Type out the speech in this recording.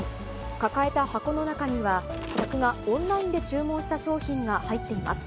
抱えた箱の中には、客がオンラインで注文した商品が入っています。